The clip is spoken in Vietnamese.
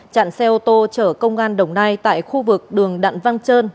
chặn xe ô tô chở công an đồng nai tại khu vực đường đặn văn trơn